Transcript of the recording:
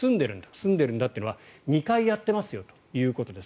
済んでいるんだというのは２回やってますよということです。